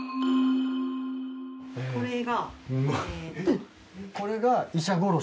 これが。